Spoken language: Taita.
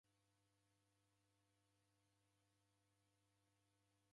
Mutungi ghwake gholaghaya.